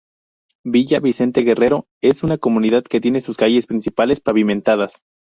Villa Vicente Guerrero es una comunidad que tiene sus calles principales pavimentadas.